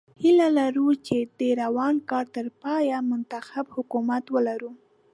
هیله لرو چې د روان کال تر پایه منتخب حکومت ولرو.